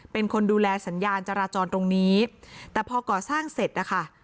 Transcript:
เป็นคนดูแลสัญญาณจราจรตรงนี้แต่พอก่อสร้างเสร็จนะคะ